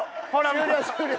終了終了！